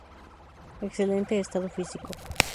Excelente estado físico.